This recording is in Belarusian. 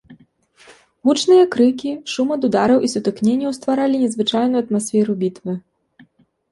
Гучныя крыкі, шум ад удараў і сутыкненняў стваралі незвычайную атмасферу бітвы.